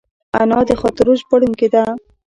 انا د خاطرو ژباړونکې ده